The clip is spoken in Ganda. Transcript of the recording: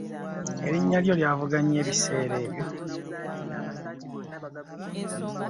Erinnya lyo lyavuga nnyo ebiseera ebyo.